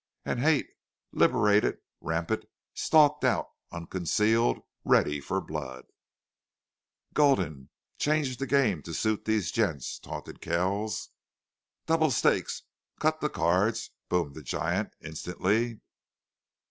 And hate, liberated, rampant, stalked out unconcealed, ready for blood. "Gulden, change the game to suit these gents," taunted Kells. "Double stakes. Cut the cards!" boomed the giant, instantly.